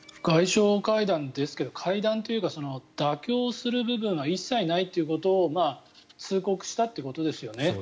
外相会談ですが会談というか妥協する部分は一切ないということを通告したってことですよね